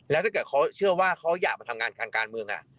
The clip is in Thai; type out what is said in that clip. แล้วถ้าเกิดเขาเชื่อว่าเขาอยากมาทำงานทางการเมือง